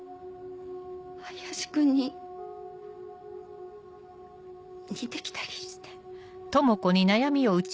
林君に似て来たりして。